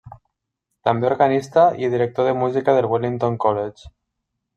També organista i director de música del Wellington College.